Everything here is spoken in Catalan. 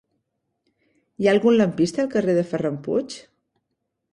Hi ha algun lampista al carrer de Ferran Puig?